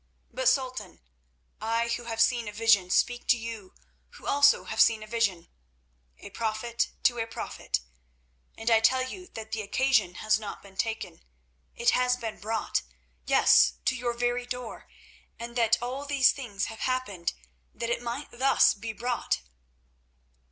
But, Sultan, I who have seen a vision speak to you who also have seen a vision—a prophet to a prophet. And I tell you that the occasion has not been taken—it has been brought, yes, to your very door, and that all these things have happened that it might thus be brought."